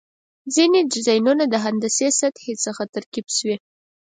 ځینې ډیزاینونه د هندسي سطحې څخه ترکیب شوي.